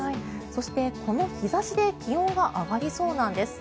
そして、この日差しで気温が上がりそうなんです。